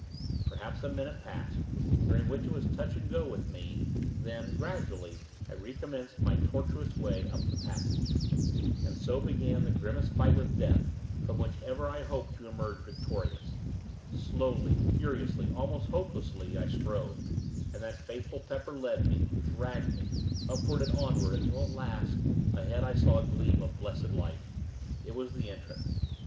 Perhaps a minute passed, during which it was touch and go with me; then, gradually I re commenced my tortuous way up the passage. And so began the grimmest fight with death, from which ever I hope to emerge victorious. Slowly, furiously, almost hopelessly, I strove; and that faithful Pepper led me, dragged me, upward and onward, until, at last, ahead I saw a gleam of blessed light. It was the entrance.